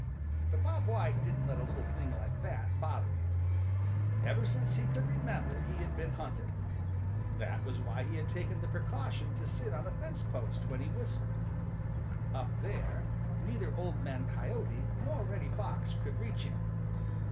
But Bob White didn't let a little thing like that bother him. Ever since he could remember he had been hunted. That was why he had taken the precaution to sit on a fence post when he whistled. Up there neither Old Man Coyote nor Reddy Fox could reach him.